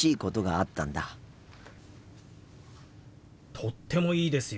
とってもいいですよ。